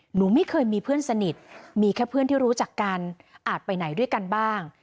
หนูไม่เคยมีเพื่อนสนิทมีแค่เพื่อนที่รู้จักกันอาจไปไหนด้วยกันบ้าง